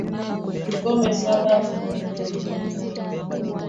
Weka vikombe saba vya unga kwenye dishi au sufuria